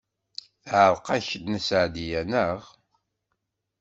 Teɛreq-ak Nna Seɛdiya, naɣ?